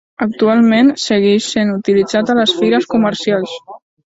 Actualment segueix sent utilitzat a les fires comercials.